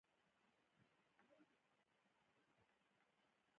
د سل ناروغۍ بکټریا تر میاشتو ژوندي پاتې کیږي.